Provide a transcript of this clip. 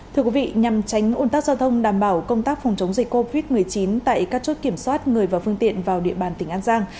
thưa quý vị nhằm tránh ôn tắc giao thông đảm bảo công tác phòng chống dịch covid một mươi chín tại các chốt kiểm soát người và phương tiện vào địa bàn tỉnh an giang